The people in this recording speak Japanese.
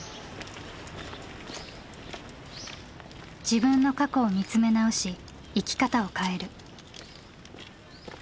自分の過去を見つめ直し生き方を変える。